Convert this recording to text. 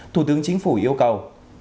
thủ tướng chính phủ yêu cầu